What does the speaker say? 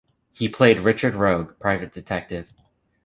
He played Richard Rogue, private detective.